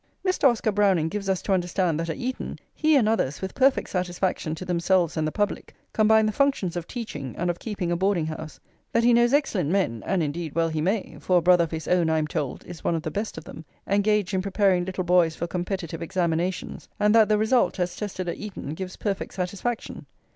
Mr. Oscar Browning gives us to understand that at Eton he and others, with perfect satisfaction to themselves and the public, combine the functions of teaching and of keeping a boarding house; that he knows excellent men (and, indeed, well he may, for a brother of his own, I am told, is one of the best of them,) engaged in preparing little boys for competitive examinations, and that the result, as tested at Eton, gives perfect satisfaction.